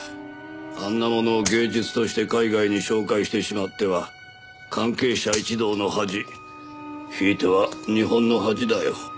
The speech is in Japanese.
あんなものを芸術として海外に紹介してしまっては関係者一同の恥ひいては日本の恥だよ。